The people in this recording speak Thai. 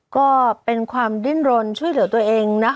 ก็เป็นความดิ้นรนช่วยเหลือตัวเองนะ